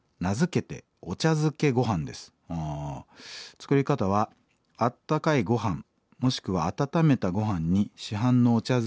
「作り方はあったかいごはんもしくは温めたごはんに市販のお茶漬けのもとをふりかけてよく混ぜる。